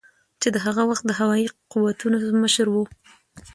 چې د هغه وخت د هوایي قوتونو مشر ؤ